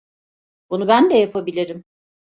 Bunu ben de yapabilirim.